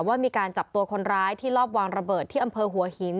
ว่ามีการจับตัวคนร้ายที่รอบวางระเบิดที่อำเภอหัวหิน